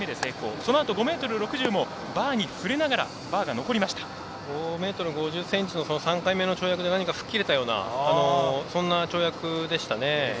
そのあと５ｍ６０もバーに触れながら５ｍ５０ｃｍの３回目の跳躍で吹っ切れたようなそんな跳躍でしたね。